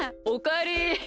おかえり。